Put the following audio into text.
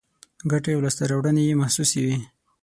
ګټې او لاسته راوړنې یې محسوسې وي.